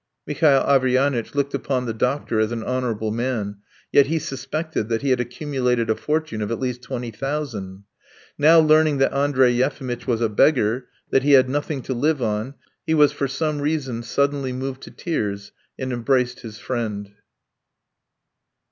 Mihail Averyanitch looked upon the doctor as an honourable man, yet he suspected that he had accumulated a fortune of at least twenty thousand. Now learning that Andrey Yefimitch was a beggar, that he had nothing to live on he was for some reason suddenly moved to tears and embraced his friend.